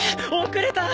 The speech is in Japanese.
遅れた！